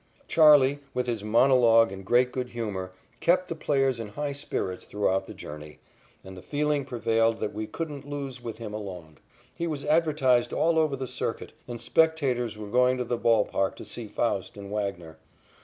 "Charley," with his monologue and great good humor, kept the players in high spirits throughout the journey, and the feeling prevailed that we couldn't lose with him along. He was advertised all over the circuit, and spectators were going to the ball park to see Faust and Wagner.